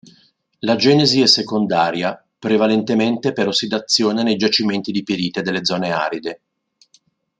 La genesi è secondaria, prevalentemente per ossidazione nei giacimenti di pirite delle zone aride.